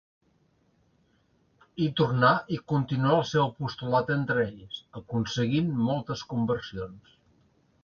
Hi tornà i continuà el seu apostolat entre ells, aconseguint moltes conversions.